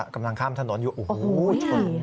กำลังข้ามถนนอยู่โอ้โหชน